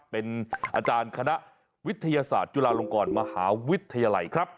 เป็นอาจารย์คณะวิทยาศาสตร์จุฬาลงกรมหาวิทยาลัยครับ